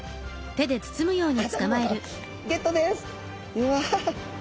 うわ。